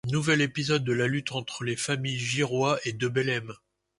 Nouvel épisode de la lutte entre les familles Giroie et de Bellême.